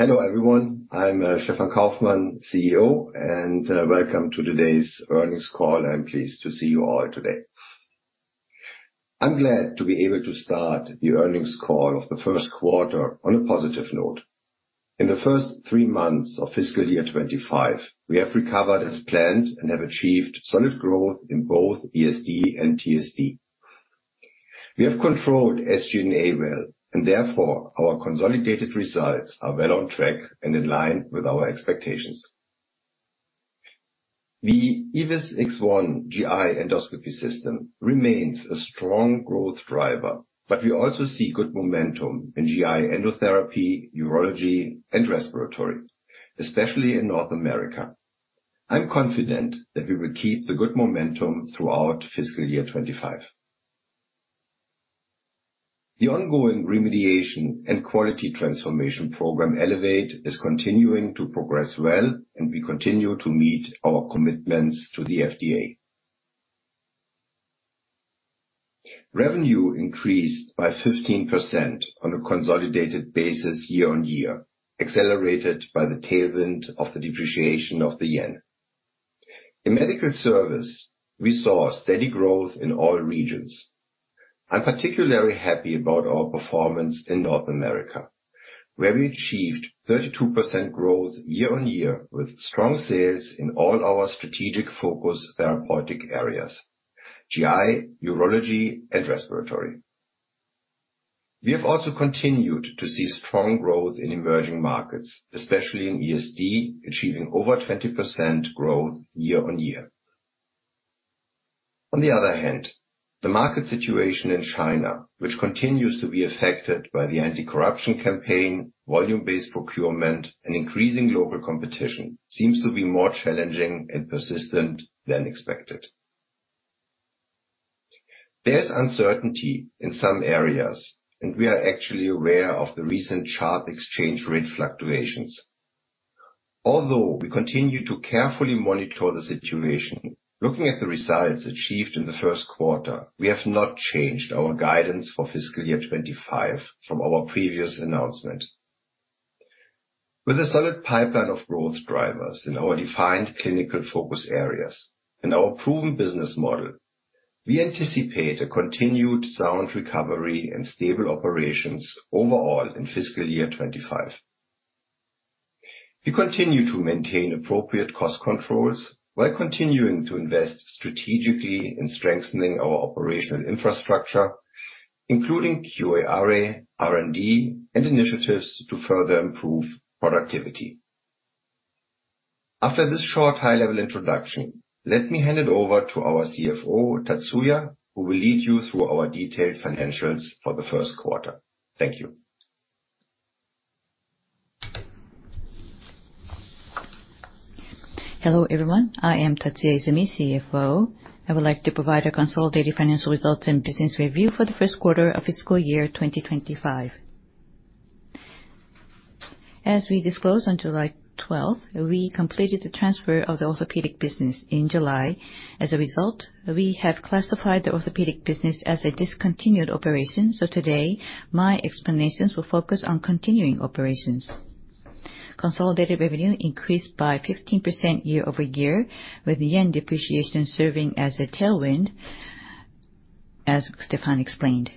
Hello, everyone. I'm Stefan Kaufmann, CEO, and welcome to today's earnings call. I'm pleased to see you all today. I'm glad to be able to start the earnings call of the first quarter on a positive note. In the first three months of fiscal year 2025, we have recovered as planned and have achieved solid growth in both ESD and TSD. We have controlled SG&A well, and therefore, our consolidated results are well on track and in line with our expectations. The EVIS X1 GI endoscopy system remains a strong growth driver, but we also see good momentum in GI endotherapy, urology, and respiratory, especially in North America. I'm confident that we will keep the good momentum throughout fiscal year 2025. The ongoing remediation and quality transformation program, Elevate, is continuing to progress well, and we continue to meet our commitments to the FDA. Revenue increased by 15% on a consolidated basis year-on-year, accelerated by the tailwind of the depreciation of the yen. In medical service, we saw steady growth in all regions. I'm particularly happy about our performance in North America, where we achieved 32% growth year-on-year with strong sales in all our strategic focus therapeutic areas: GI, urology, and respiratory. We have also continued to see strong growth in emerging markets, especially in ESD, achieving over 20% growth year-on-year. On the other hand, the market situation in China, which continues to be affected by the anti-corruption campaign, volume-based procurement, and increasing global competition, seems to be more challenging and persistent than expected. There's uncertainty in some areas, and we are actually aware of the recent yen exchange rate fluctuations. Although we continue to carefully monitor the situation, looking at the results achieved in the first quarter, we have not changed our guidance for fiscal year 2025 from our previous announcement. With a solid pipeline of growth drivers in our defined clinical focus areas and our proven business model, we anticipate a continued sound recovery and stable operations overall in fiscal year 2025. We continue to maintain appropriate cost controls while continuing to invest strategically in strengthening our operational infrastructure, including QA/RA, R&D, and initiatives to further improve productivity. After this short, high-level introduction, let me hand it over to our CFO, Tatsuya, who will lead you through our detailed financials for the first quarter. Thank you. Hello, everyone. I am Tatsuya Izumi, CFO. I would like to provide a consolidated financial results and business review for the first quarter of fiscal year 2025. As we disclosed on July 12th, we completed the transfer of the orthopedic business in July. As a result, we have classified the orthopedic business as a discontinued operation, so today, my explanations will focus on continuing operations. Consolidated revenue increased by 15% year-over-year, with the yen depreciation serving as a tailwind, as Stefan explained.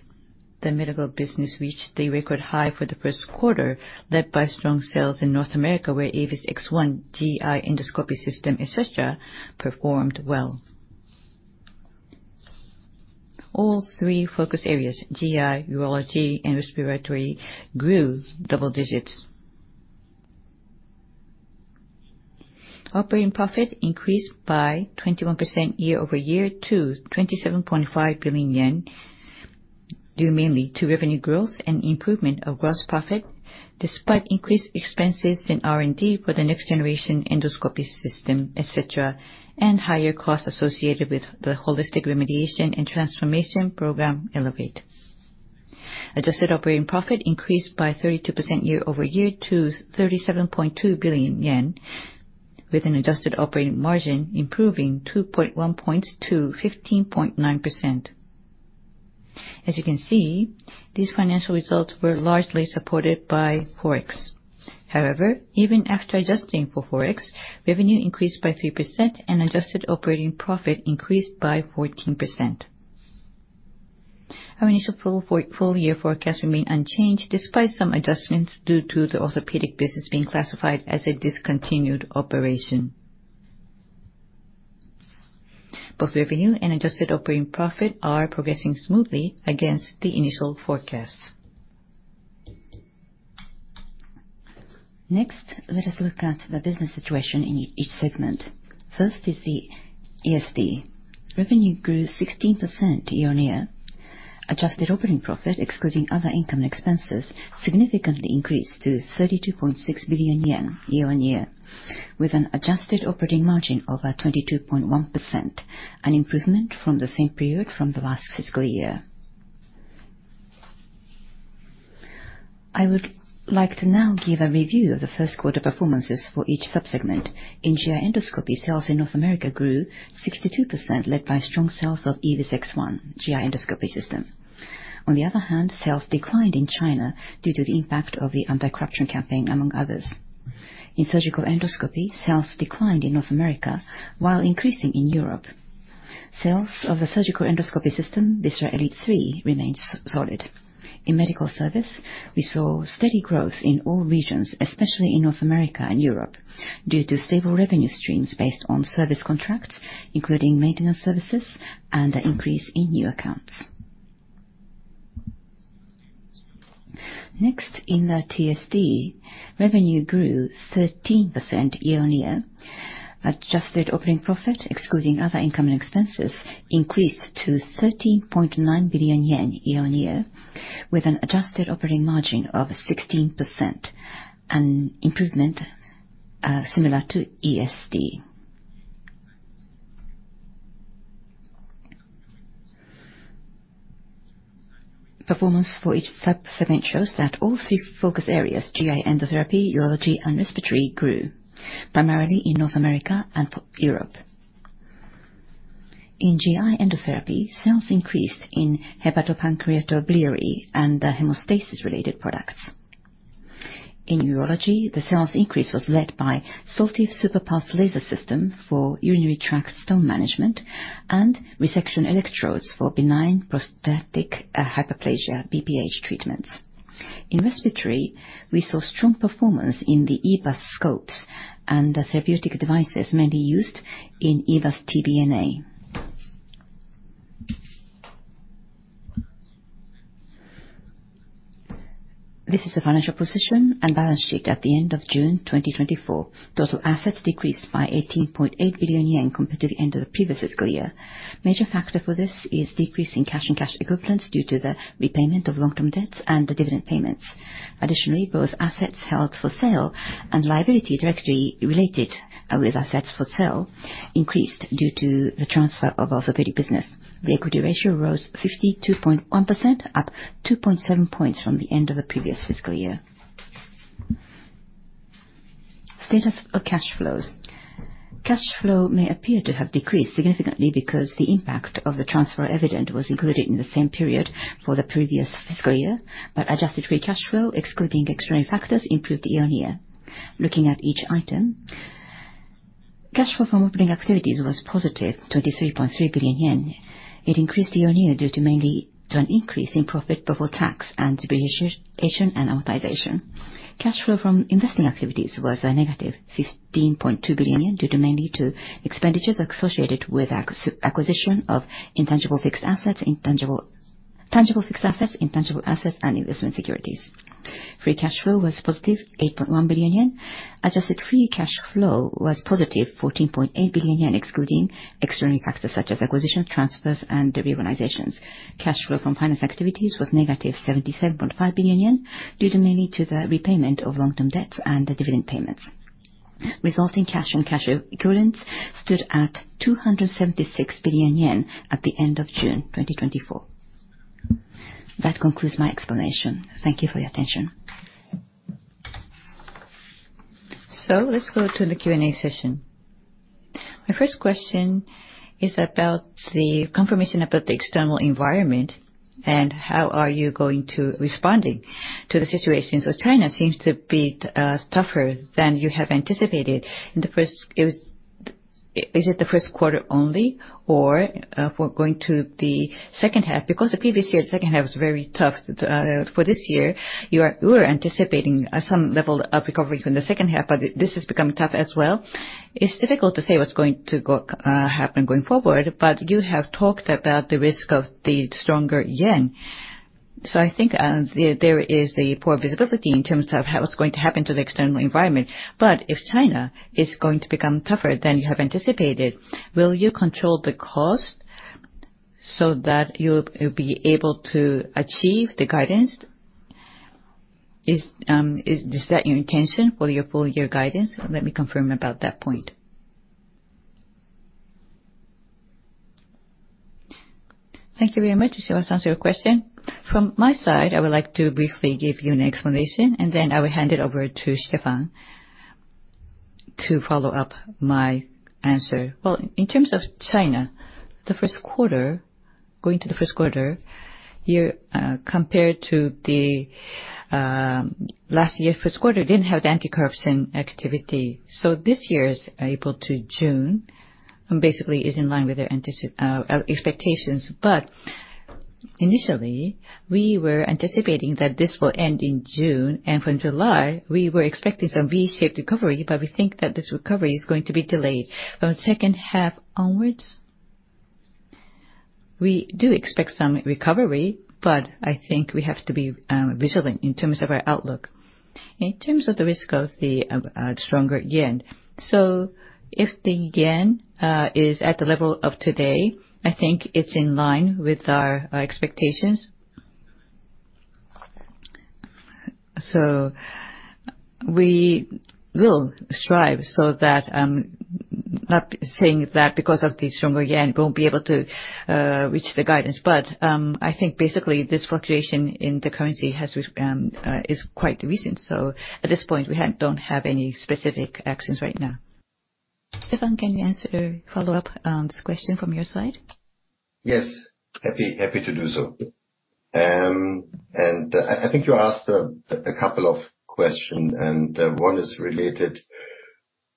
The medical business reached a record high for the first quarter, led by strong sales in North America, where EVIS X1 GI endoscopy system, et cetera, performed well. All three focus areas, GI, urology, and respiratory, grew double digits. Operating profit increased by 21% year-over-year to 27.5 billion yen, due mainly to revenue growth and improvement of gross profit, despite increased expenses in R&D for the next generation endoscopy system, et cetera, and higher costs associated with the holistic remediation and transformation program, Elevate. Adjusted operating profit increased by 32% year-over-year to 37.2 billion yen, with an adjusted operating margin improving 2.1 points to 15.9%. As you can see, these financial results were largely supported by Forex. However, even after adjusting for Forex, revenue increased by 3% and adjusted operating profit increased by 14%. Our initial full-year forecast remained unchanged, despite some adjustments due to the orthopedic business being classified as a discontinued operation. Both revenue and adjusted operating profit are progressing smoothly against the initial forecast. Next, let us look at the business situation in each segment. First is the ESD. Revenue grew 16% year-on-year. Adjusted operating profit, excluding other income expenses, significantly increased to 32.6 billion yen year-on-year, with an adjusted operating margin of 22.1%, an improvement from the same period from the last fiscal year. I would like to now give a review of the first quarter performances for each sub-segment. In GI endoscopy, sales in North America grew 62%, led by strong sales of EVIS X1 GI endoscopy system. On the other hand, sales declined in China due to the impact of the anti-corruption campaign, among others. In surgical endoscopy, sales declined in North America, while increasing in Europe. Sales of the surgical endoscopy system, VISERA ELITE III, remains solid. In medical service, we saw steady growth in all regions, especially in North America and Europe, due to stable revenue streams based on service contracts, including maintenance services and an increase in new accounts. Next, in the TSD, revenue grew 13% year-on-year. Adjusted operating profit, excluding other income and expenses, increased to 30.9 billion yen year-on-year, with an adjusted operating margin of 16%, an improvement similar to ESD. Performance for each sub-segment shows that all three focus areas, GI endotherapy, urology, and respiratory, grew, primarily in North America and Europe. In GI endotherapy, sales increased in hepatopancreatobiliary and the hemostasis-related products. In urology, the sales increase was led by SOLTIVE SuperPulsed Laser System for urinary tract stone management and resection electrodes for benign prostatic hyperplasia, BPH, treatments. In respiratory, we saw strong performance in the EBUS scopes and the therapeutic devices mainly used in EBUS-TBNA. This is the financial position and balance sheet at the end of June 2024. Total assets decreased by 18.8 billion yen compared to the end of the previous fiscal year. Major factor for this is decrease in cash and cash equivalents due to the repayment of long-term debts and the dividend payments. Additionally, both assets held for sale and liability directly related with assets for sale increased due to the transfer of our fertility business. The equity ratio rose 52.1%, up 2.7 points from the end of the previous fiscal year. Status of cash flows. Cash flow may appear to have decreased significantly because the impact of the transfer of Evident was included in the same period for the previous fiscal year, but adjusted free cash flow, excluding extraordinary factors, improved year-on-year. Looking at each item, cash flow from operating activities was positive 23.3 billion yen. It increased year-on-year due mainly to an increase in profit before tax and depreciation and amortization. Cash flow from investing activities was negative 15.2 billion yen, due mainly to expenditures associated with acquisition of intangible fixed assets, tangible fixed assets, intangible assets, and investment securities. Free cash flow was positive 8.1 billion yen. Adjusted free cash flow was positive 14.8 billion yen, excluding extraordinary factors such as acquisitions, transfers, and reorganizations. Cash flow from finance activities was -77.5 billion yen, due to mainly to the repayment of long-term debts and the dividend payments. Resulting cash and cash equivalents stood at 276 billion yen at the end of June 2024. That concludes my explanation. Thank you for your attention. So let's go to the Q&A session. My first question is about the confirmation about the external environment, and how are you going to responding to the situation? So China seems to be tougher than you have anticipated. In the first, it was... Is it the first quarter only, or for going to the second half? Because the previous year, the second half was very tough. For this year, you were anticipating some level of recovery in the second half, but this has become tough as well. It's difficult to say what's going to happen going forward, but you have talked about the risk of the stronger yen. So I think there is a poor visibility in terms of what's going to happen to the external environment. But if China is going to become tougher than you have anticipated, will you control the cost so that you'll be able to achieve the guidance? Is that your intention for your full year guidance? Let me confirm about that point. Thank you very much. So let's answer your question. From my side, I would like to briefly give you an explanation, and then I will hand it over to Stefan to follow up my answer. Well, in terms of China, the first quarter, going to the first quarter, year, compared to the, last year, first quarter didn't have the anti-corruption activity. So this year's April to June, basically, is in line with our anticip- expectations. But initially, we were anticipating that this will end in June, and from July, we were expecting some V-shaped recovery, but we think that this recovery is going to be delayed. From second half onwards, we do expect some recovery, but I think we have to be, resilient in terms of our outlook. In terms of the risk of the stronger yen, so if the yen is at the level of today, I think it's in line with our expectations. So we will strive so that, not saying that because of the stronger yen, we won't be able to reach the guidance. But, I think basically this fluctuation in the currency is quite recent. So at this point, we don't have any specific actions right now. ... Stefan, can you answer a follow-up, this question from your side? Yes, happy to do so. And I think you asked a couple of question, and one is related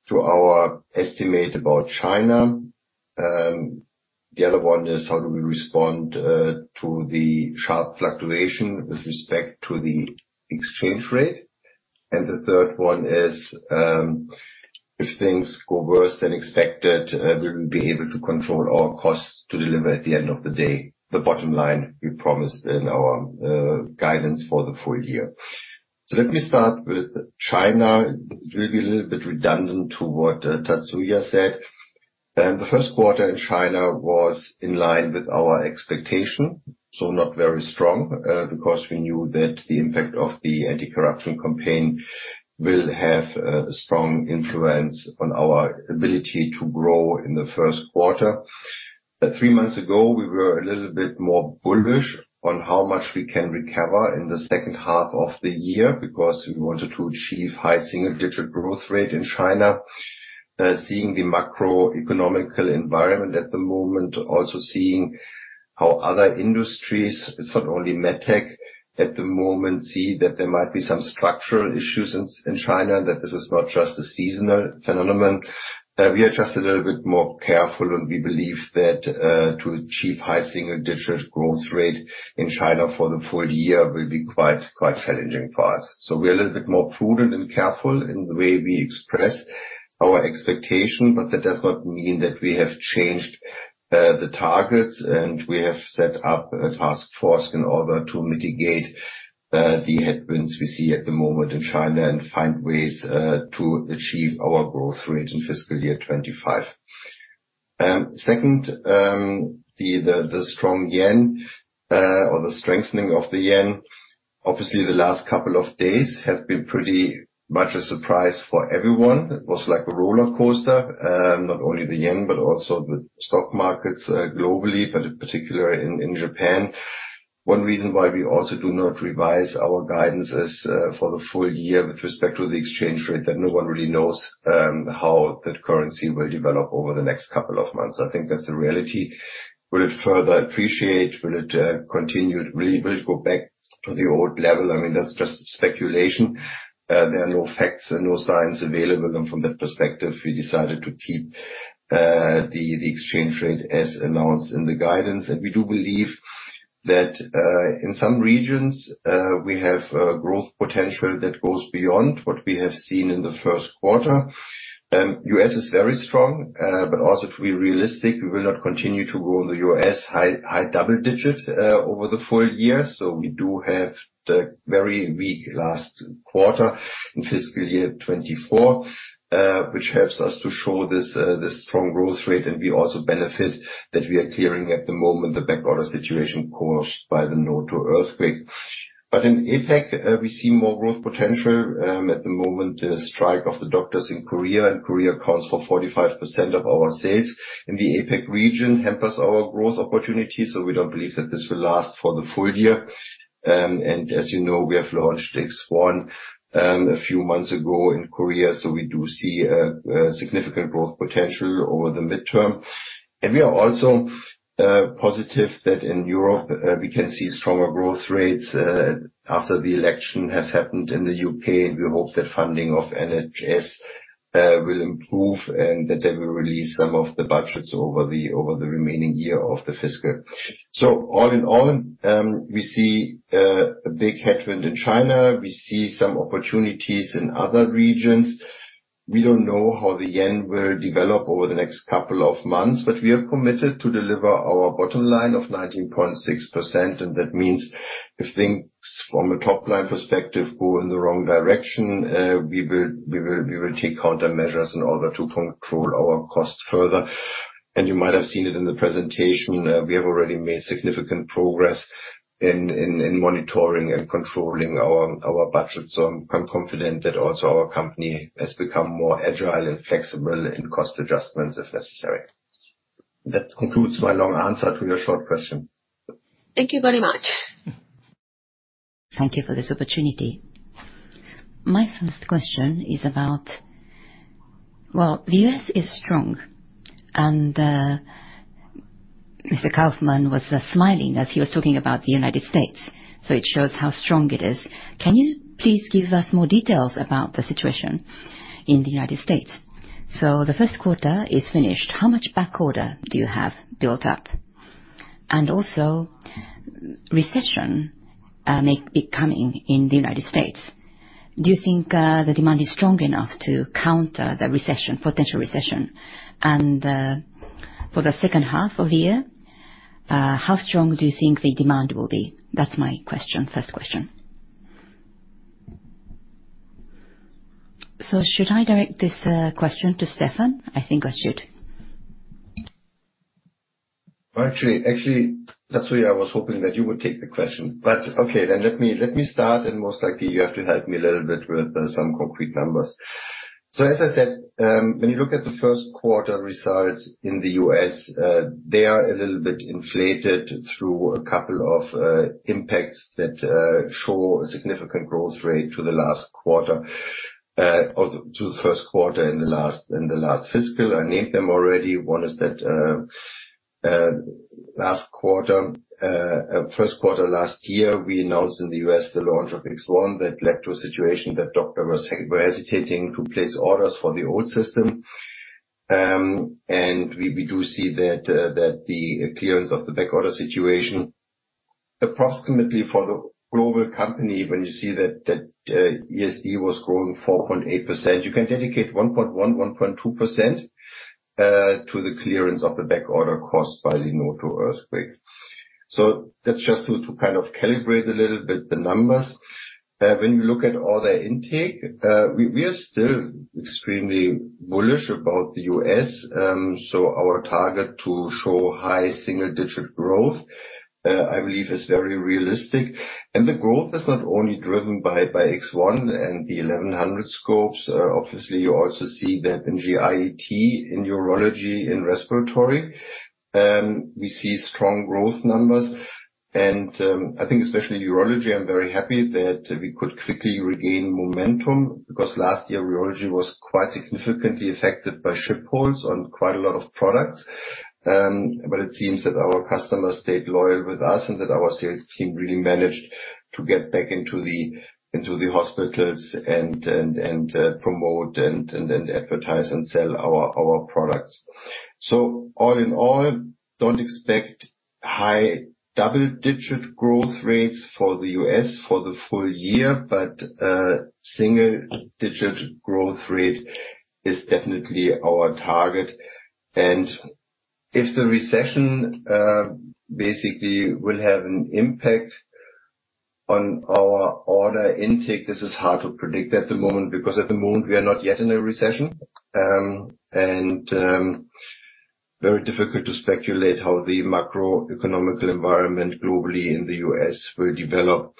to our estimate about China. The other one is how do we respond to the sharp fluctuation with respect to the exchange rate? And the third one is, if things go worse than expected, will we be able to control our costs to deliver at the end of the day, the bottom line we promised in our guidance for the full year? So let me start with China. It will be a little bit redundant to what Tatsuya said. The first quarter in China was in line with our expectation, so not very strong, because we knew that the impact of the anti-corruption campaign will have a strong influence on our ability to grow in the first quarter. Three months ago, we were a little bit more bullish on how much we can recover in the second half of the year, because we wanted to achieve high single-digit growth rate in China. Seeing the macroeconomic environment at the moment, also seeing how other industries, it's not only MedTech at the moment, see that there might be some structural issues in China, that this is not just a seasonal phenomenon. We are just a little bit more careful, and we believe that to achieve high single-digit growth rate in China for the full year will be quite, quite challenging for us. So we are a little bit more prudent and careful in the way we express our expectation, but that does not mean that we have changed the targets. We have set up a task force in order to mitigate the headwinds we see at the moment in China and find ways to achieve our growth rate in fiscal year 2025. Second, the strong yen or the strengthening of the yen. Obviously, the last couple of days have been pretty much a surprise for everyone. It was like a rollercoaster, not only the yen, but also the stock markets globally, but in particular in Japan. One reason why we also do not revise our guidance is for the full year with respect to the exchange rate, that no one really knows how that currency will develop over the next couple of months. I think that's a reality. Will it further appreciate? Will it continue? Will it go back to the old level? I mean, that's just speculation. There are no facts and no signs available, and from that perspective, we decided to keep the exchange rate as announced in the guidance. And we do believe that in some regions we have growth potential that goes beyond what we have seen in the first quarter. U.S. is very strong, but also to be realistic, we will not continue to grow in the U.S. high double digit over the full year. So we do have the very weak last quarter in fiscal year 2024, which helps us to show this strong growth rate, and we also benefit that we are clearing at the moment the backorder situation caused by the Noto earthquake. But in APAC, we see more growth potential. At the moment, the strike of the doctors in Korea, and Korea accounts for 45% of our sales in the APAC region, hampers our growth opportunities, so we don't believe that this will last for the full year. And as you know, we have launched X1 a few months ago in Korea, so we do see a significant growth potential over the midterm. And we are also positive that in Europe, we can see stronger growth rates after the election has happened in the U.K., and we hope that funding of NHS will improve and that they will release some of the budgets over the remaining year of the fiscal. So all in all, we see a big headwind in China. We see some opportunities in other regions. We don't know how the yen will develop over the next couple of months, but we are committed to deliver our bottom line of 19.6%, and that means if things from a top-line perspective go in the wrong direction, we will take countermeasures in order to control our costs further. And you might have seen it in the presentation, we have already made significant progress in monitoring and controlling our budget. So I'm quite confident that also our company has become more agile and flexible in cost adjustments, if necessary. That concludes my long answer to your short question. Thank you very much. Thank you for this opportunity. My first question is about... Well, the U.S. is strong, and Mr. Kaufmann was smiling as he was talking about the United States, so it shows how strong it is. Can you please give us more details about the situation in the United States? So the first quarter is finished. How much backorder do you have built up? And also, recession may be coming in the United States. Do you think the demand is strong enough to counter the recession, potential recession? And for the second half of the year, how strong do you think the demand will be? That's my question, first question. So should I direct this question to Stefan? I think I should. Actually, actually, Tatsuya, I was hoping that you would take the question, but okay, then let me, let me start, and most likely, you have to help me a little bit with some concrete numbers. So as I said, when you look at the first quarter results in the U.S., they are a little bit inflated through a couple of impacts that show a significant growth rate to the last quarter to the first quarter in the last fiscal, I named them already. One is that, last quarter, first quarter last year, we announced in the U.S. the launch of X1 that led to a situation that doctors were hesitating to place orders for the old system. And we do see that the clearance of the backorder situation, approximately for the global company, when you see that ESD was growing 4.8%, you can dedicate 1.1%-1.2% to the clearance of the backorder caused by the Noto earthquake. So that's just to kind of calibrate a little bit the numbers. When you look at order intake, we are still extremely bullish about the U.S. So our target to show high single-digit growth, I believe is very realistic. And the growth is not only driven by X1 and the 1,100 scopes. Obviously, you also see that in GI endotherapy, in urology, in respiratory, we see strong growth numbers. I think especially in urology, I'm very happy that we could quickly regain momentum, because last year, urology was quite significantly affected by ship holds on quite a lot of products. But it seems that our customers stayed loyal with us, and that our sales team really managed to get back into the hospitals and promote and then advertise and sell our products. So all in all, don't expect high double-digit growth rates for the U.S. for the full year, but single-digit growth rate is definitely our target. And if the recession basically will have an impact on our order intake, this is hard to predict at the moment, because at the moment, we are not yet in a recession. And very difficult to speculate how the macroeconomic environment globally in the U.S. will develop.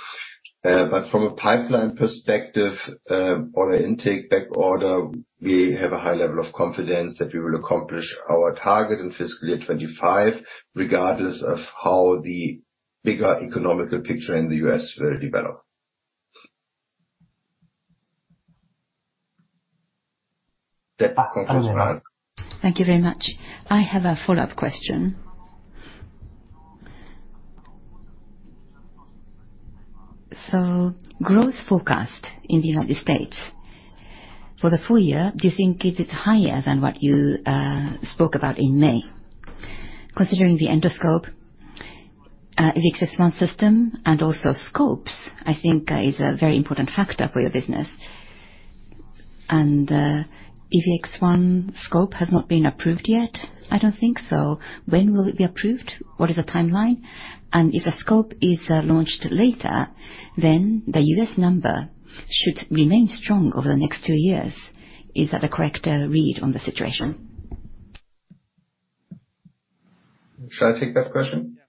From a pipeline perspective, order intake backorder, we have a high level of confidence that we will accomplish our target in fiscal year 2025, regardless of how the bigger economic picture in the U.S. will develop. Thank you very much. I have a follow-up question. So growth forecast in the United States for the full year, do you think it is higher than what you spoke about in May? Considering the endoscope, the EVIS X1 system and also scopes, I think is a very important factor for your business. And if the X1 scope has not been approved yet, I don't think so. When will it be approved? What is the timeline? And if the scope is launched later, then the U.S. number should remain strong over the next two years. Is that a correct read on the situation? Shall I take that question? Please.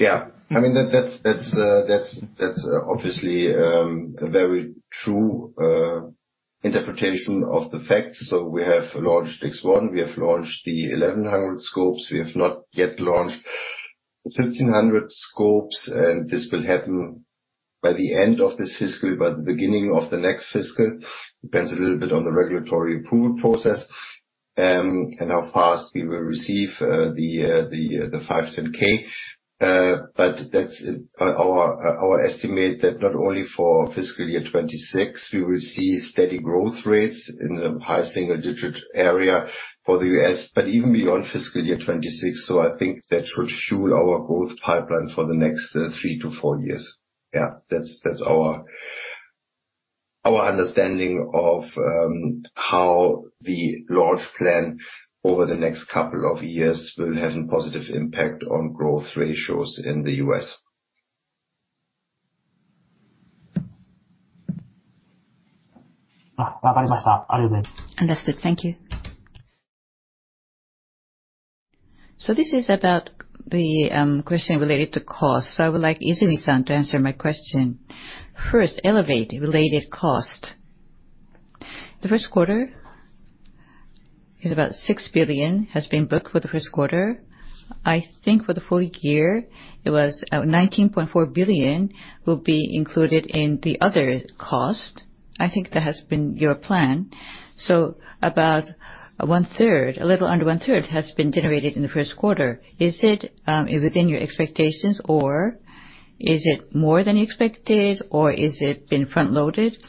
Yeah. I mean, that's obviously a very true interpretation of the facts. So we have launched X1, we have launched the 1100 scopes. We have not yet launched 1500 scopes, and this will happen by the end of this fiscal, by the beginning of the next fiscal. Depends a little bit on the regulatory approval process, and how fast we will receive the 510(k). But that's our estimate that not only for fiscal year 2026, we will see steady growth rates in the high single digit area for the U.S., but even beyond fiscal year 2026. So I think that should shoot our growth pipeline for the next 3-4 years. Yeah, that's, that's our, our understanding of how the launch plan over the next couple of years will have a positive impact on growth ratios in the U.S. Understood. Thank you. This is about the question related to cost. I would like Izumi-san to answer my question. First, Elevate-related cost. The first quarter is about 6 billion, has been booked for the first quarter. I think for the full year, it was 19.4 billion will be included in the other cost. I think that has been your plan. About one-third, a little under one-third, has been generated in the first quarter. Is it within your expectations, or is it more than you expected, or is it been front-loaded?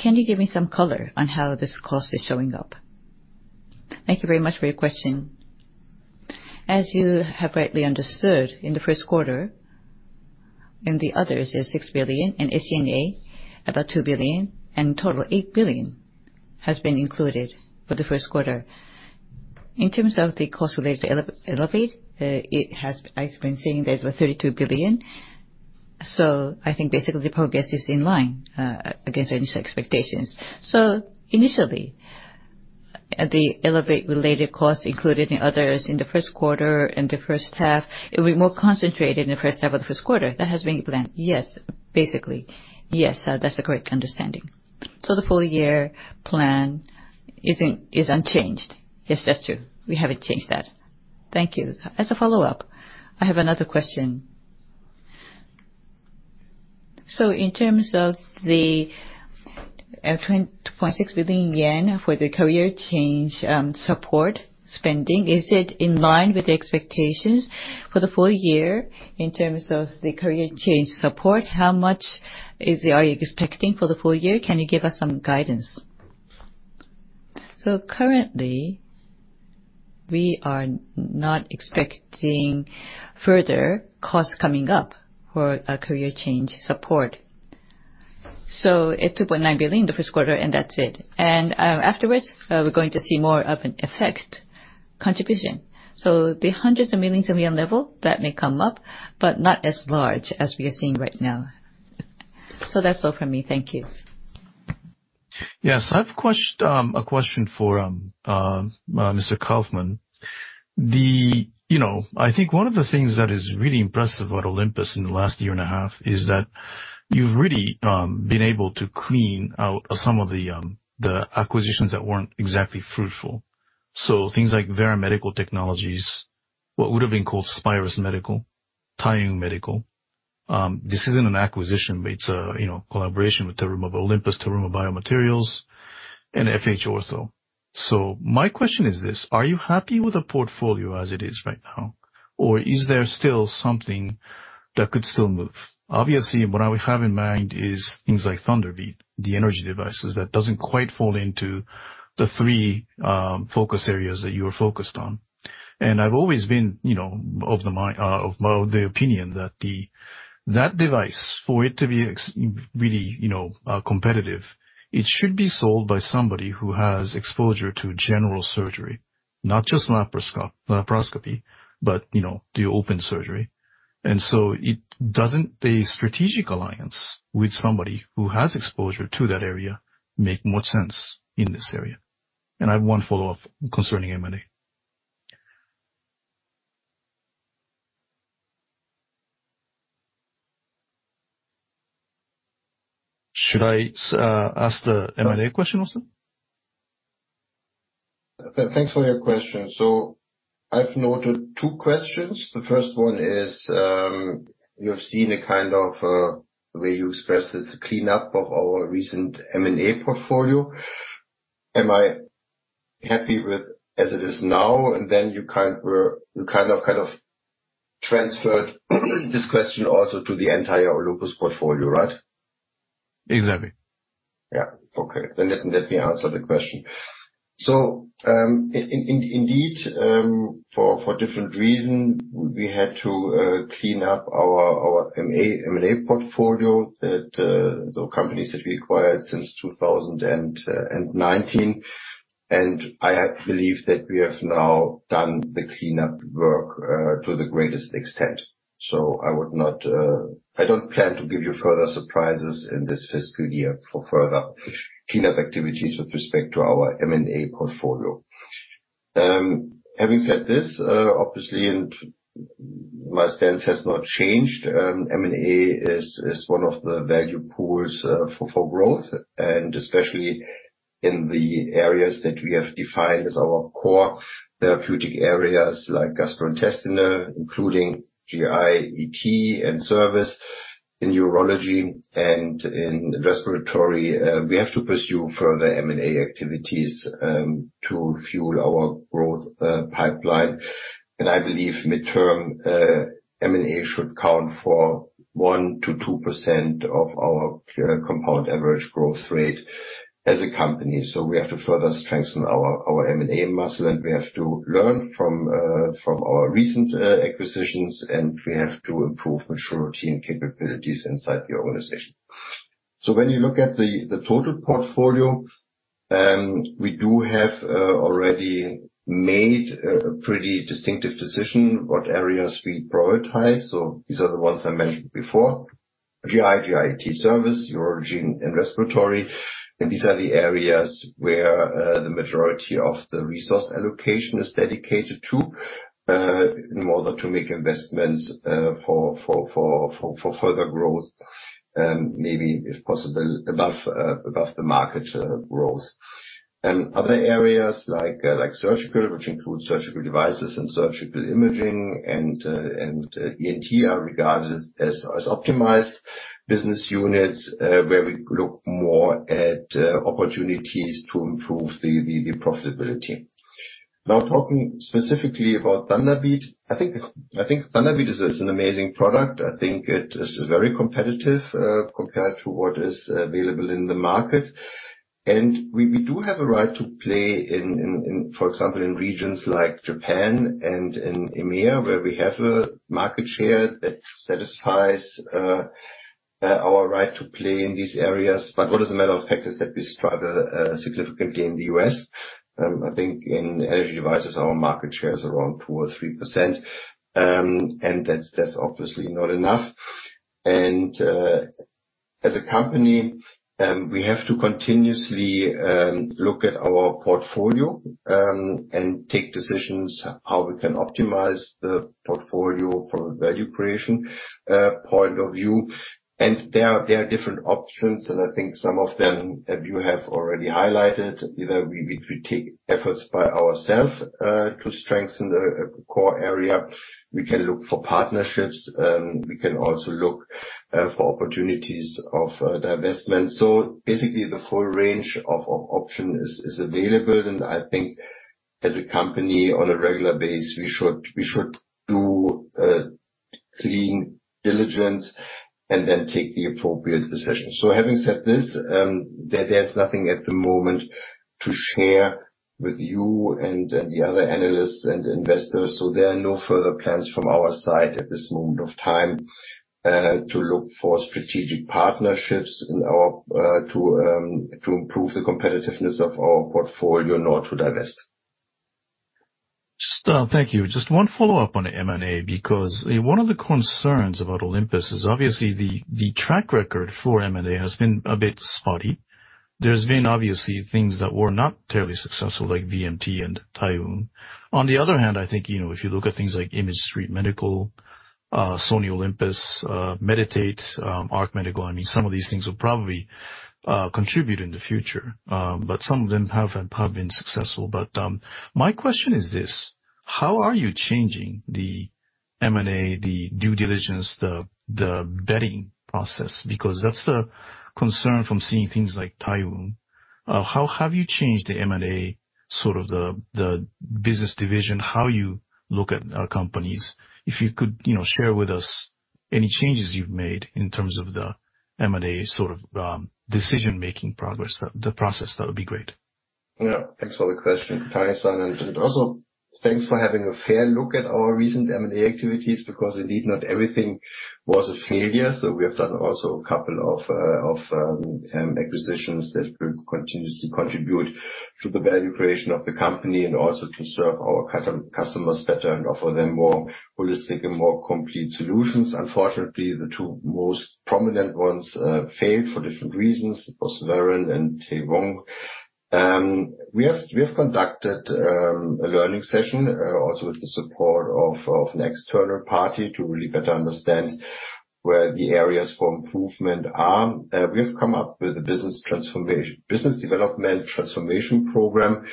Can you give me some color on how this cost is showing up? Thank you very much for your question. As you have rightly understood, in the first quarter, in the others is 6 billion, in SG&A, about 2 billion, and total 8 billion has been included for the first quarter. In terms of the cost related to Elevate, it has. I've been seeing there's a 32 billion, so I think basically the progress is in line against those expectations. So initially, the Elevate-related costs included in others in the first quarter, in the first half, it will be more concentrated in the first half of the first quarter. That has been planned? Yes. Basically, yes, that's the correct understanding. So the full year plan is unchanged? Yes, that's true. We haven't changed that. Thank you. As a follow-up, I have another question. So in terms of the 22.6 billion yen for the career change support spending, is it in line with the expectations for the full year in terms of the career change support? How much is it are you expecting for the full year? Can you give us some guidance? So currently, we are not expecting further costs coming up for a career change support. So it's 2.9 billion in the first quarter, and that's it. And afterwards, we're going to see more of an effect contribution. So the hundreds of millions of yen level, that may come up, but not as large as we are seeing right now. So that's all from me. Thank you. Yes, I have a question for Mr. Kaufmann. You know, I think one of the things that is really impressive about Olympus in the last year and a half is that you've really been able to clean out some of the, the acquisitions that weren't exactly fruitful. So things like Veran Medical Technologies, what would've been called Spirus Medical, Taewoong Medical. This isn't an acquisition, but it's a, you know, collaboration with the JV of Olympus, Terumo Biomaterials, and FH Ortho. So my question is this: Are you happy with the portfolio as it is right now, or is there still something that could still move? Obviously, what I would have in mind is things like THUNDERBEAT, the energy devices, that doesn't quite fall into the three focus areas that you are focused on. I've always been, you know, of the mind, of the opinion that that device, for it to be really, you know, competitive, it should be sold by somebody who has exposure to general surgery, not just laparoscope, laparoscopy, but, you know, the open surgery. So doesn't the strategic alliance with somebody who has exposure to that area make more sense in this area? I have one follow-up concerning M&A. Should I ask the M&A question also? Thanks for your question. So I've noted two questions. The first one is, you have seen a kind of, the way you expressed it, is a cleanup of our recent M&A portfolio. Am I happy with as it is now? And then you kind of, kind of transferred this question also to the entire Olympus portfolio, right? Exactly. Yeah. Okay. Then let me answer the question. So, in indeed, for different reason, we had to clean up our M&A portfolio that those companies that we acquired since 2019. And I believe that we have now done the cleanup work to the greatest extent. So I would not... I don't plan to give you further surprises in this fiscal year for further cleanup activities with respect to our M&A portfolio. Having said this, obviously, and my stance has not changed, M&A is one of the value pools for growth, and especially in the areas that we have defined as our core therapeutic areas, like gastrointestinal, including GI, ET, and service in urology and in respiratory. We have to pursue further M&A activities to fuel our growth pipeline. I believe midterm M&A should count for 1%-2% of our compound average growth rate as a company. We have to further strengthen our M&A muscle, and we have to learn from our recent acquisitions, and we have to improve maturity and capabilities inside the organization. When you look at the total portfolio, we do have already made a pretty distinctive decision what areas we prioritize. These are the ones I mentioned before: GI, GIT service, urology, and respiratory. These are the areas where the majority of the resource allocation is dedicated to in order to make investments for further growth, maybe if possible, above the market growth. Other areas like surgical, which includes surgical devices and surgical imaging, and ENT, are regarded as optimized business units where we look more at opportunities to improve the profitability. Now, talking specifically about THUNDERBEAT, I think THUNDERBEAT is an amazing product. I think it is very competitive compared to what is available in the market. And we do have a right to play in, for example, in regions like Japan and in EMEA, where we have a market share that satisfies our right to play in these areas. But what, as a matter of fact, is that we struggle significantly in the U.S. I think in energy devices, our market share is around 2 or 3%, and that's obviously not enough. As a company, we have to continuously look at our portfolio and take decisions how we can optimize the portfolio from a value creation point of view. There are different options, and I think some of them you have already highlighted, either we take efforts by ourselves to strengthen the core area, we can look for partnerships, we can also look for opportunities of divestment. So basically, the full range of option is available, and I think as a company, on a regular basis, we should do... Due diligence, and then take the appropriate decision. So having said this, there's nothing at the moment to share with you and the other analysts and investors, so there are no further plans from our side at this moment of time, to look for strategic partnerships in order to improve the competitiveness of our portfolio, nor to divest. Stefan, thank you. Just one follow-up on the M&A, because one of the concerns about Olympus is obviously the track record for M&A has been a bit spotty. There's been obviously things that were not terribly successful, like Veran and Taewoong. On the other hand, I think, you know, if you look at things like Image Stream Medical, Sony Olympus, Medi-Tate, Arc Medical, I mean, some of these things will probably contribute in the future. But some of them have been successful. But my question is this: How are you changing the M&A, the due diligence, the vetting process? Because that's the concern from seeing things like Taewoong. How have you changed the M&A, sort of the business division, how you look at companies? If you could, you know, share with us any changes you've made in terms of the M&A sort of decision-making progress, the process, that would be great. Yeah. Thanks for the question, Tyson, and also thanks for having a fair look at our recent M&A activities, because indeed, not everything was a failure. So we have done also a couple of acquisitions that will continuously contribute to the value creation of the company, and also to serve our customers better and offer them more holistic and more complete solutions. Unfortunately, the two most prominent ones failed for different reasons. It was Veran and Taewoong. We have conducted a learning session also with the support of an external party, to really better understand where the areas for improvement are. We have come up with a business development transformation program,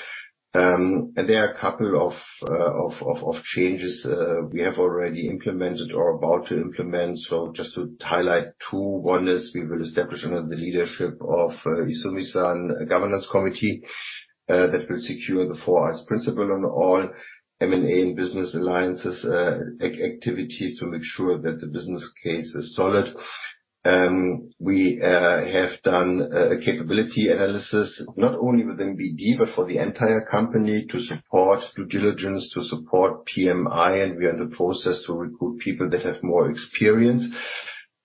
and there are a couple of changes we have already implemented or are about to implement. So just to highlight two, one is we will establish under the leadership of Izumi-san, a governance committee that will secure the four I's principle on all M&A and business alliances, activities, to make sure that the business case is solid. We have done a capability analysis, not only within BD, but for the entire company, to support due diligence, to support PMI, and we are in the process to recruit people that have more experience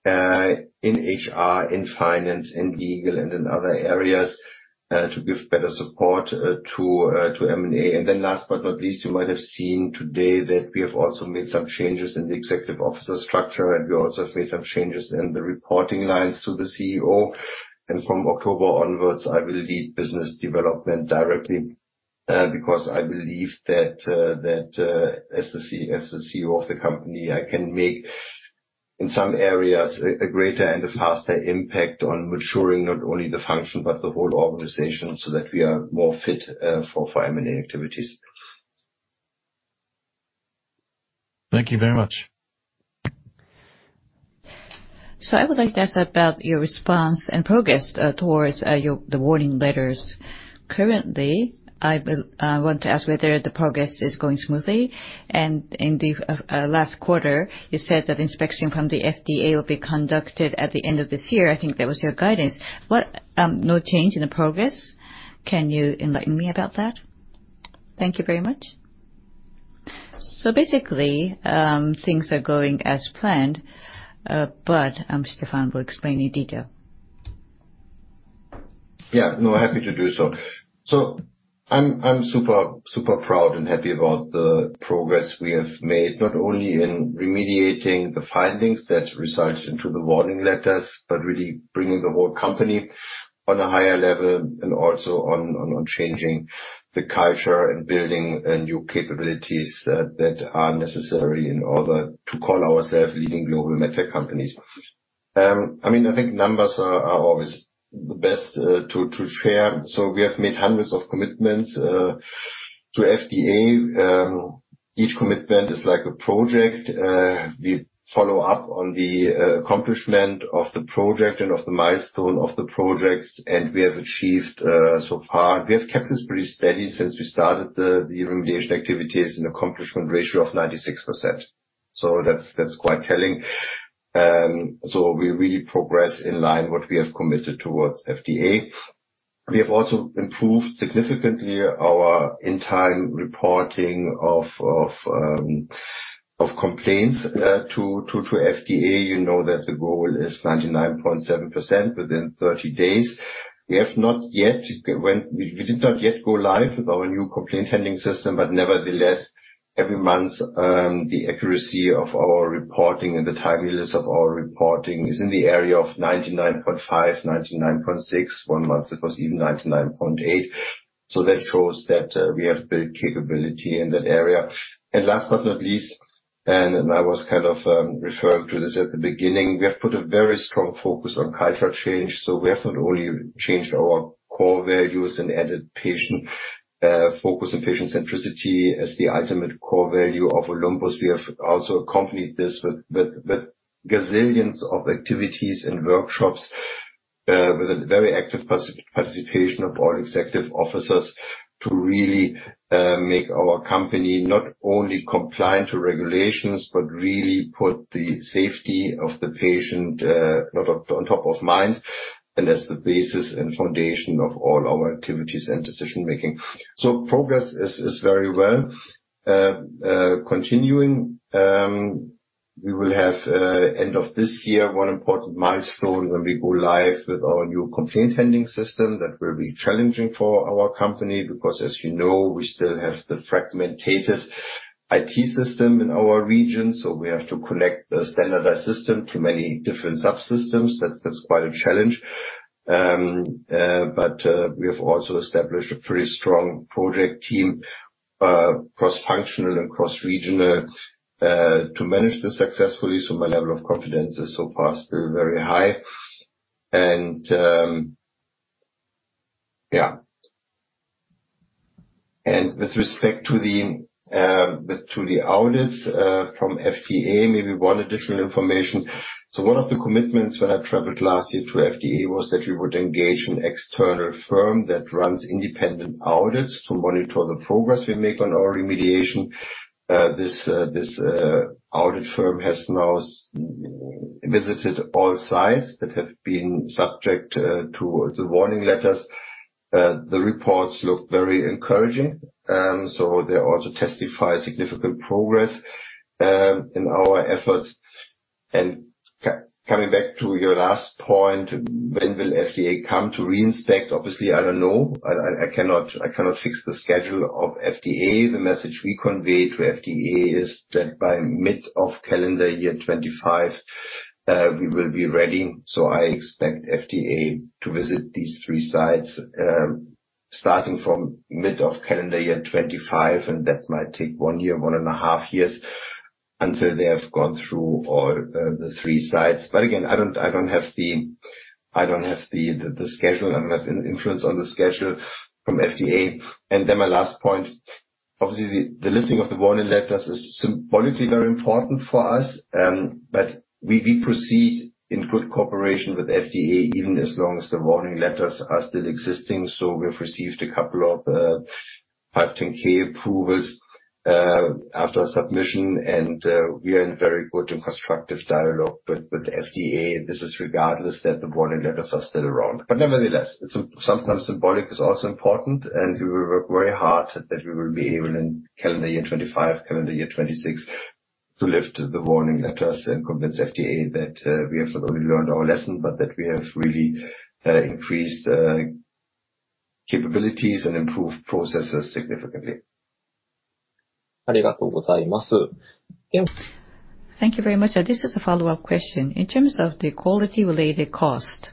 in HR, in finance, in legal, and in other areas to give better support to M&A. And then last but not least, you might have seen today that we have also made some changes in the executive officer structure, and we also have made some changes in the reporting lines to the CEO. And from October onwards, I will lead business development directly, because I believe that as the CEO of the company, I can make in some areas a greater and a faster impact on maturing not only the function, but the whole organization, so that we are more fit for M&A activities. Thank you very much. So I would like to ask about your response and progress towards the Warning Letters. Currently, I will want to ask whether the progress is going smoothly. In the last quarter, you said that inspection from the FDA will be conducted at the end of this year. I think that was your guidance. What? No change in the progress? Can you enlighten me about that? Thank you very much. Basically, things are going as planned, but Stefan will explain in detail. Yeah. No, happy to do so. So I'm super proud and happy about the progress we have made, not only in remediating the findings that resulted into the warning letters, but really bringing the whole company on a higher level, and also on changing the culture and building new capabilities that are necessary in order to call ourselves leading global med tech companies. I mean, I think numbers are always the best to share. So we have made hundreds of commitments to FDA. Each commitment is like a project. We follow up on the accomplishment of the project and of the milestone of the projects, and we have achieved so far. We have kept this pretty steady since we started the remediation activities, an accomplishment ratio of 96%. So that's quite telling. So we really progress in line with what we have committed towards FDA. We have also improved significantly our on-time reporting of complaints to FDA. You know that the goal is 99.7% within 30 days. We have not yet—we did not yet go live with our new complaint handling system, but nevertheless, every month, the accuracy of our reporting and the timeliness of our reporting is in the area of 99.5%, 99.6%. One month it was even 99.8%. So that shows that we have built capability in that area. And last but not least, and I was kind of referring to this at the beginning, we have put a very strong focus on culture change, so we have not only changed our core values and added patient focus and patient centricity as the ultimate core value of Olympus, we have also accompanied this with gazillions of activities and workshops with a very active participation of all executive officers to really make our company not only compliant to regulations, but really put the safety of the patient on top of mind, and as the basis and foundation of all our activities and decision making. So progress is very well. Continuing, we will have end of this year, one important milestone when we go live with our new complaint handling system. That will be challenging for our company, because as you know, we still have the fragmented IT system in our region. So we have to connect a standardized system to many different subsystems. That's, that's quite a challenge. But we have also established a pretty strong project team, cross-functional and cross-regional, to manage this successfully. So my level of confidence is so far still very high. And, yeah. And with respect to the, with to the audits, from FDA, maybe one additional information. So one of the commitments when I traveled last year to FDA, was that we would engage an external firm that runs independent audits to monitor the progress we make on our remediation. This, this, audit firm has now visited all sites that have been subject, to the warning letters. The reports look very encouraging, and so they also testify significant progress in our efforts. Coming back to your last point, when will FDA come to reinspect? Obviously, I don't know. I cannot fix the schedule of FDA. The message we convey to FDA is that by mid of calendar year 2025, we will be ready. So I expect FDA to visit these three sites, starting from mid of calendar year 2025, and that might take one year, one and a half years until they have gone through all the three sites. But again, I don't have the schedule. I don't have an influence on the schedule from FDA. My last point, obviously, the lifting of the warning letters is symbolically very important for us, but we proceed in good cooperation with FDA, even as long as the warning letters are still existing. We've received a couple of 510(k) approvals after submission, and we are in very good and constructive dialogue with the FDA. This is regardless that the warning letters are still around. But nevertheless, it's sometimes symbolic is also important, and we work very hard that we will be able, in calendar year 2025, calendar year 2026, to lift the warning letters and convince FDA that we have not only learned our lesson, but that we have really increased capabilities and improved processes significantly. Thank you very much. This is a follow-up question. In terms of the quality-related cost,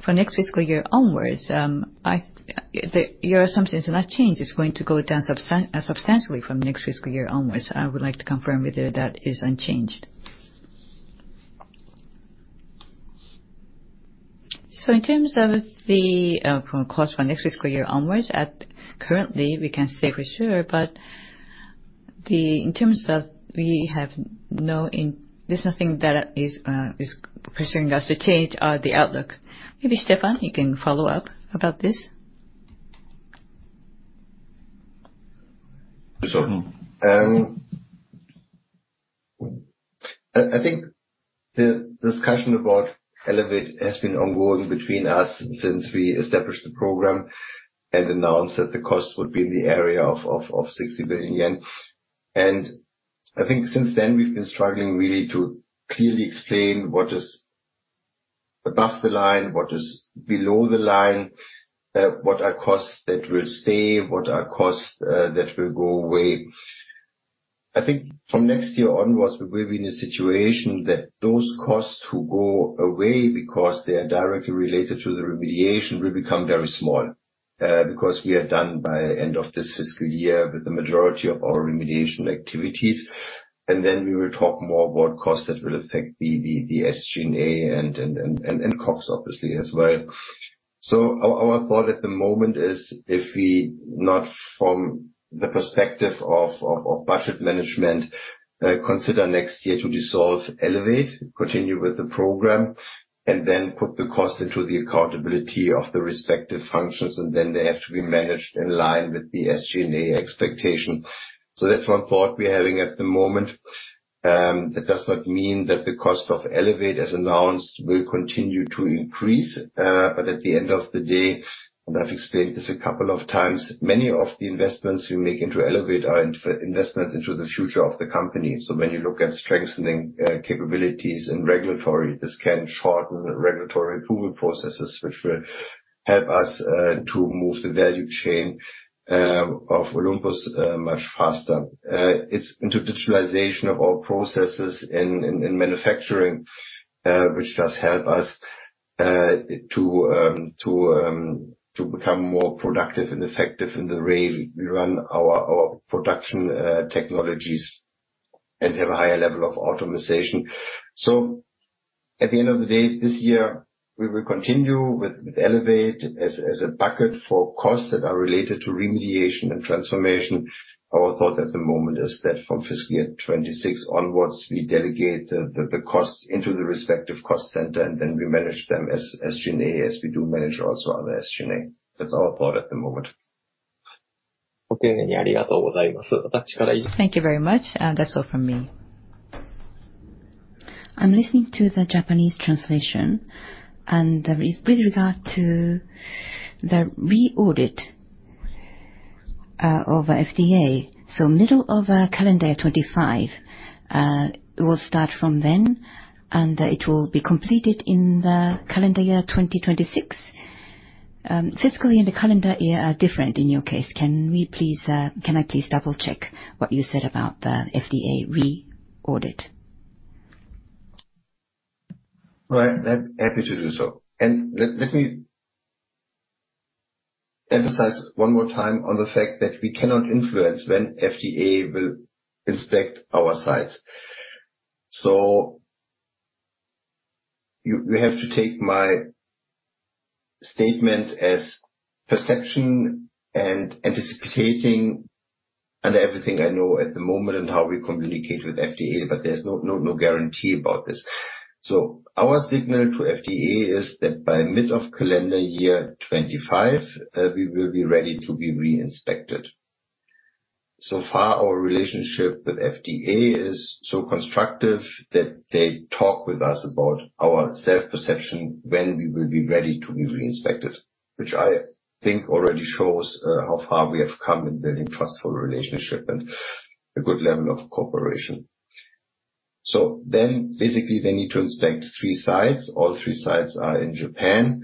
for next fiscal year onwards, your assumptions are not changed, it's going to go down substantially from next fiscal year onwards. I would like to confirm with you that is unchanged. So in terms of the cost for next fiscal year onwards, currently, we can't say for sure, but in terms of we have no there's nothing that is pressuring us to change the outlook. Maybe Stefan, you can follow up about this. Sure. I think the discussion about Elevate has been ongoing between us since we established the program and announced that the cost would be in the area of 60 billion yen. I think since then, we've been struggling really to clearly explain what is above the line, what is below the line, what are costs that will stay, what are costs that will go away. I think from next year onwards, we will be in a situation that those costs who go away because they are directly related to the remediation, will become very small. Because we are done by end of this fiscal year with the majority of our remediation activities, and then we will talk more about costs that will affect the SG&A and COGS obviously as well. So our thought at the moment is, if we not from the perspective of budget management, consider next year to dissolve Elevate, continue with the program, and then put the cost into the accountability of the respective functions, and then they have to be managed in line with the SG&A expectation. So that's one thought we're having at the moment. That does not mean that the cost of Elevate, as announced, will continue to increase. But at the end of the day, and I've explained this a couple of times, many of the investments we make into Elevate are investments into the future of the company. So when you look at strengthening capabilities in regulatory, this can shorten the regulatory approval processes, which will help us to move the value chain of Olympus much faster. It's into digitalization of our processes in manufacturing, which does help us to become more productive and effective in the way we run our production technologies, and have a higher level of automation. So at the end of the day, this year we will continue with Elevate as a bucket for costs that are related to remediation and transformation. Our thought at the moment is that from fiscal year 2026 onwards, we delegate the costs into the respective cost center, and then we manage them as SG&As, we do manage also other SG&As. That's our thought at the moment. Thank you very much, that's all from me. I'm listening to the Japanese translation, and with regard to the re-audit of FDA. So middle of calendar 2025 will start from then, and it will be completed in the calendar year 2026. Fiscally and the calendar year are different in your case. Can we please, can I please double-check what you said about the FDA re-audit? Right, I'm happy to do so. Let me emphasize one more time on the fact that we cannot influence when FDA will inspect our sites. So you have to take my statement as perception and anticipating and everything I know at the moment and how we communicate with FDA, but there's no guarantee about this. So our signal to FDA is that by mid of calendar year 2025, we will be ready to be re-inspected. So far, our relationship with FDA is so constructive that they talk with us about our self-perception when we will be ready to be re-inspected, which I think already shows how far we have come in building trust for a relationship and a good level of cooperation. So then, basically, they need to inspect three sites. All three sites are in Japan.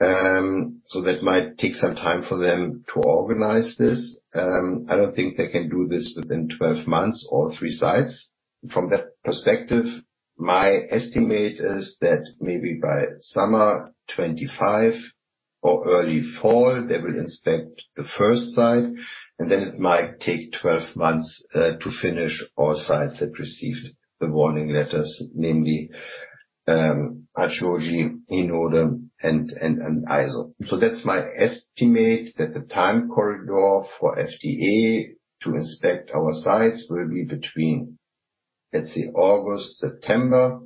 So that might take some time for them to organize this. I don't think they can do this within 12 months, all three sites. From that perspective, my estimate is that maybe by summer 2025 or early fall, they will inspect the first site, and then it might take 12 months to finish all sites that received the warning letters, namely, Hachioji, Hinode and Aizu. So that's my estimate, that the time corridor for FDA to inspect our sites will be between, let's say, August-September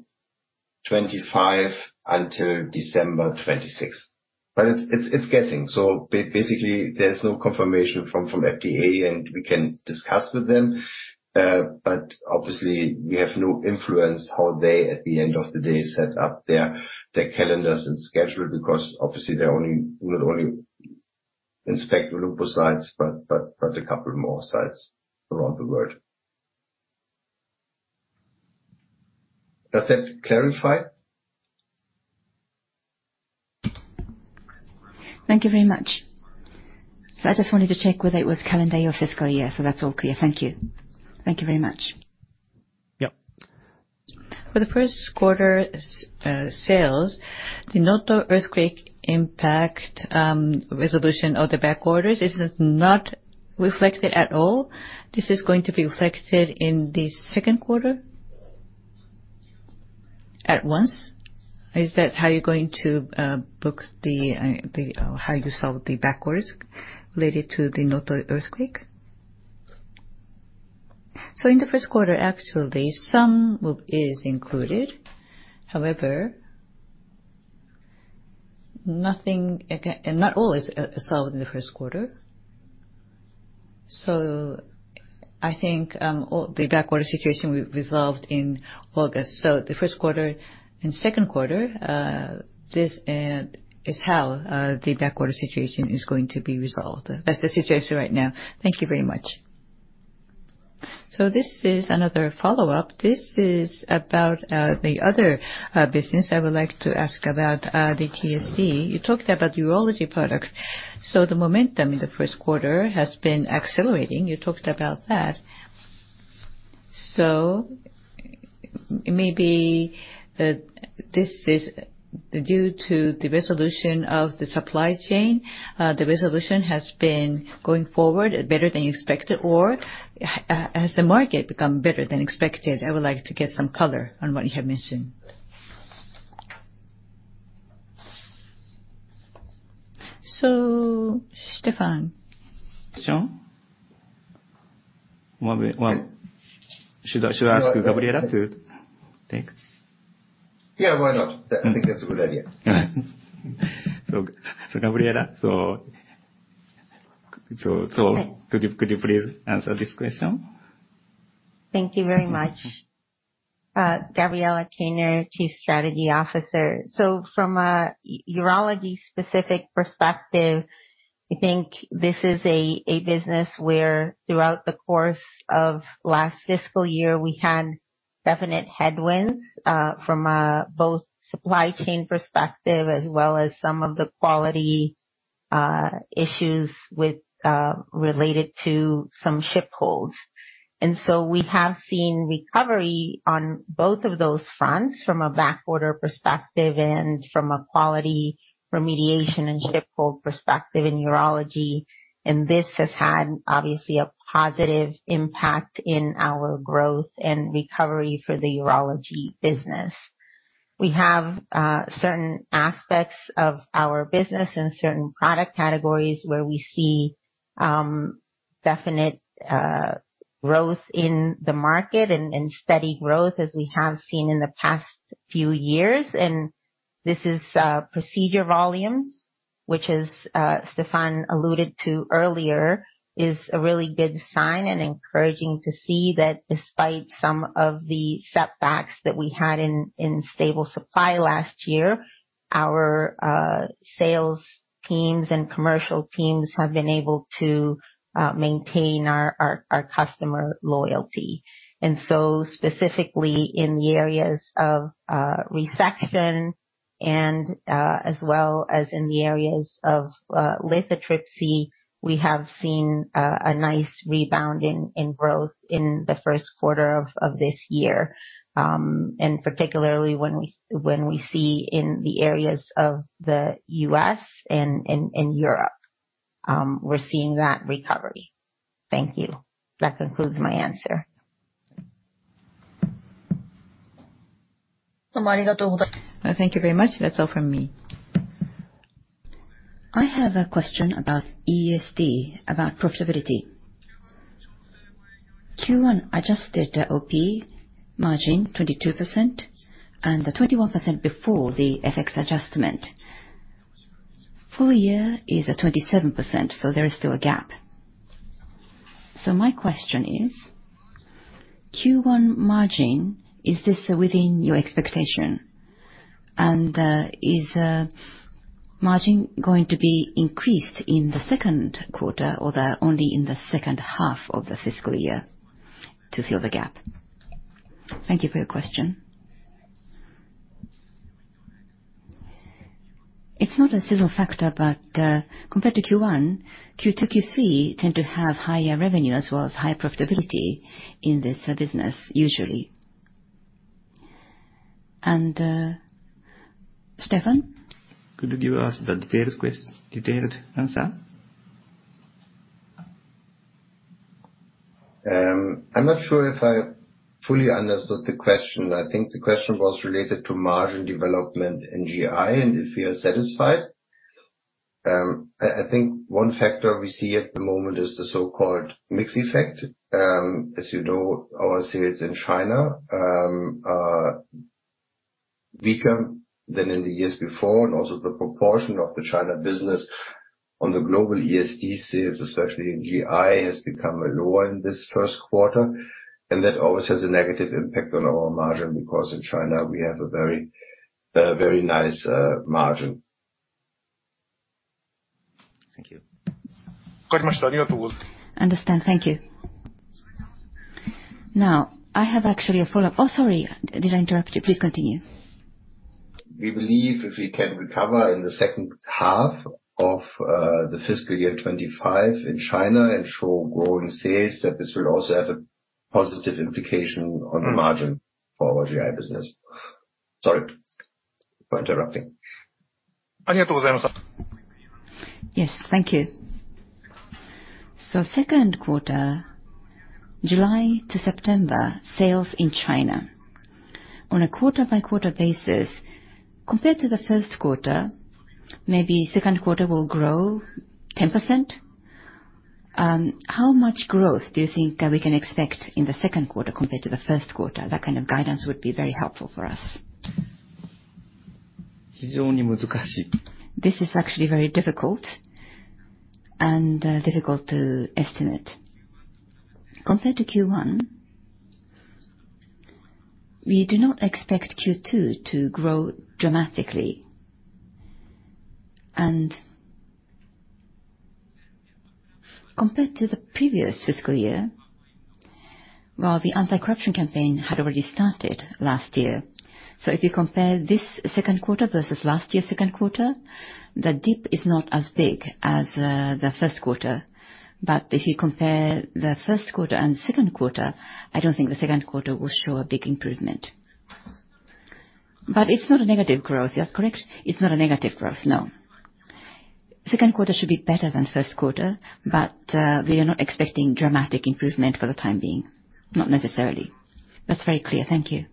2025 until December 2026. But it's guessing. So basically, there's no confirmation from FDA, and we can discuss with them. But obviously we have no influence how they, at the end of the day, set up their calendars and schedule, because obviously they're not only inspect Olympus sites, but a couple more sites around the world. Does that clarify? Thank you very much. So I just wanted to check whether it was calendar or fiscal year, so that's all clear. Thank you. Thank you very much. Yep. For the first quarter sales, the Noto earthquake impact, resolution of the back orders, is it not reflected at all? This is going to be reflected in the second quarter at once. Is that how you're going to book the, the, how you solve the back orders related to the Noto earthquake? So in the first quarter, actually, some is included. However, nothing again. And not all is solved in the first quarter. So I think all the backorder situation we resolved in August. So the first quarter and second quarter, this is how the backorder situation is going to be resolved. That's the situation right now. Thank you very much. So this is another follow-up. This is about the other business. I would like to ask about the TSD. You talked about urology products, so the momentum in the first quarter has been accelerating. You talked about that. So maybe, this is due to the resolution of the supply chain. The resolution has been going forward better than you expected, or, has the market become better than expected? I would like to get some color on what you have mentioned. So, Stefan, Sean? Well, should I ask Gabriella to take? Yeah, why not? I think that's a good idea. So, Gabriella, Hi. Could you please answer this question? Thank you very much. Gabriella Kainer, Chief Strategy Officer. So from a urology-specific perspective, I think this is a business where throughout the course of last fiscal year, we had definite headwinds from a both supply chain perspective, as well as some of the quality issues with related to some ship holds. And so we have seen recovery on both of those fronts from a backorder perspective and from a quality remediation and ship hold perspective in urology. And this has had, obviously, a positive impact in our growth and recovery for the urology business. We have certain aspects of our business and certain product categories where we see definite growth in the past few years. And this is procedure volumes, which is Stefan alluded to earlier, is a really good sign and encouraging to see that despite some of the setbacks that we had in stable supply last year, our sales teams and commercial teams have been able to maintain our customer loyalty. And so specifically in the areas of resection and as well as in the areas of lithotripsy, we have seen a nice rebound in growth in the first quarter of this year. And particularly when we see in the areas of the U.S. and Europe, we're seeing that recovery. Thank you. That concludes my answer. Thank you very much. That's all from me. I have a question about ESD, about profitability. Q1 adjusted the OP margin 22%, and the 21% before the FX adjustment. Full year is at 27%, so there is still a gap. So my question is, Q1 margin, is this within your expectation? And, is margin going to be increased in the second quarter or the only in the second half of the fiscal year to fill the gap? Thank you for your question. It's not a sizzle factor, but, compared to Q1, Q2, Q3 tend to have higher revenue as well as high profitability in this, business, usually. And, Stefan? Could you give us the detailed answer? I'm not sure if I fully understood the question. I think the question was related to margin development in GI and if we are satisfied. I think one factor we see at the moment is the so-called mix effect. As you know, our sales in China are weaker than in the years before, and also the proportion of the China business on the global ESD sales, especially in GI, has become lower in this first quarter. And that always has a negative impact on our margin, because in China, we have a very very nice margin. Thank you. Got much to you. Understand. Thank you. Now, I have actually a follow-up. Oh, sorry, did I interrupt you? Please continue. We believe if we can recover in the second half of the fiscal year 2025 in China and show growing sales, that this will also have a positive implication on the margin for our GI business. Sorry for interrupting. Thank you. Yes, thank you. So second quarter, July to September, sales in China on a quarter-by-quarter basis, compared to the first quarter, maybe second quarter will grow 10%. How much growth do you think we can expect in the second quarter compared to the first quarter? That kind of guidance would be very helpful for us. This is actually very difficult and, difficult to estimate. Compared to Q1, we do not expect Q2 to grow dramatically. And compared to the previous fiscal year, well, the anti-corruption campaign had already started last year. So if you compare this second quarter versus last year's second quarter, the dip is not as big as, the first quarter. But if you compare the first quarter and second quarter, I don't think the second quarter will show a big improvement. But it's not a negative growth, yes, correct? It's not a negative growth, no. Second quarter should be better than first quarter, but, we are not expecting dramatic improvement for the time being, not necessarily. That's very clear. Thank you.